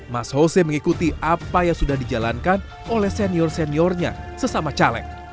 mas jose mengikuti apa yang sudah dijalankan oleh senior seniornya sesama caleg